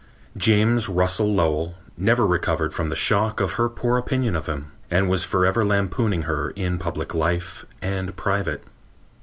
James Russell Lowell never recovered from the shock of her poor opinion of him, and was forever lampooning her in public life and private.